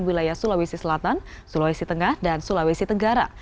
wilayah sulawesi selatan sulawesi tengah dan sulawesi tenggara